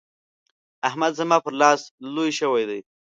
احمد زما پر لاس لوی شوی دی.